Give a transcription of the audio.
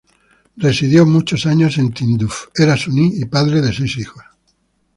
Residió muchas años en Tinduf, era suní y padre de seis hijos.